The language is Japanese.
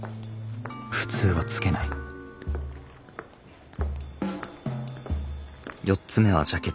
普通はつけない４つ目はジャケット。